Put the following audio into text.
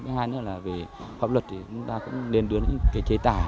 cái hai nữa là về pháp luật thì chúng ta cũng nên đưa những cái chế tải